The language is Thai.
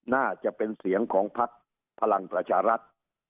น่าจะเป็นเสียงของพักพลังประชารัฐ